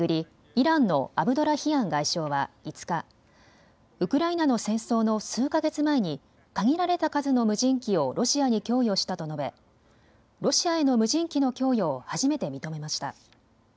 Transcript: イランのアブドラヒアン外相は５日、ウクライナの戦争の数か月前に限られた数の無人機をロシアに供与したと述べ、ロシアへの無人機の供与を初めて認めました。